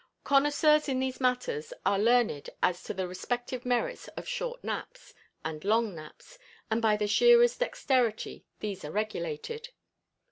Connoisseurs in these matters are learned as to the respective merits of "short naps" and "long naps," and by the shearer's dexterity these are regulated.